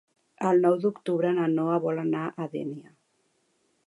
El nou d'octubre na Noa vol anar a Dénia.